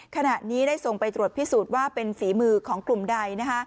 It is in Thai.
ขณะนี้ได้ส่งไปตรวจพิสูจน์ว่าเป็นฝีมือของกลุ่มใด